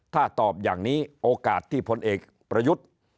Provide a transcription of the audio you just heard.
ถ้าตอบอย่างนี้โอกาสที่พลเอกประยุทธ์